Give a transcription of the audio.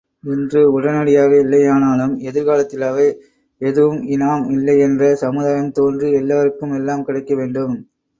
இன்று உடனடியாக இல்லையானாலும் எதிர் காலத்திலாவது எதுவும் இனாம் இல்லை என்ற சமுதாயம் தோன்றி எல்லாருக்கும் எல்லாம் கிடைக்கவேண்டும்.